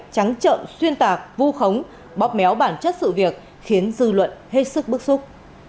trắng trợn xuyên tạc vu khống bóp méo bản chất sự việc khiến dư luận hết sức bức xúc